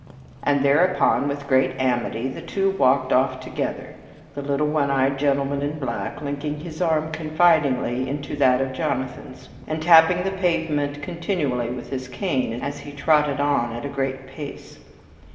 And thereupon, and with great amity, the two walked off together, the little one eyed gentleman in black linking his arm confidingly into that of Jonathan's, and tapping the pavement continually with his cane as he trotted on at a great pace.